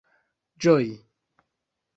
ĝoji